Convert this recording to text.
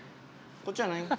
こっちやないん？